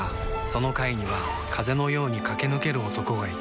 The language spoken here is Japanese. その階には風のように駆け抜ける男がいた